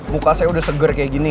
muka saya udah seger kayak gini